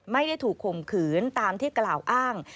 ไม่ได้ถูกข่มขืนตามที่กล่าวอ้าง